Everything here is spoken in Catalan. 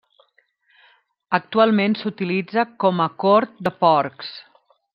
Actualment s'utilitza com a cort de porcs.